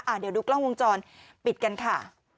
เดี๋ยวดูกล้องวงจรปิดกันค่ะ